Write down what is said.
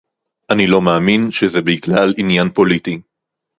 אני לא מאמין שזה בגלל עניין פוליטי